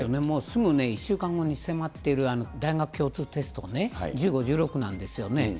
もうすぐ１週間後に迫っている大学共通テストね、１５、１６なんですよね。